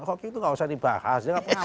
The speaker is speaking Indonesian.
rocky itu gak usah dibahas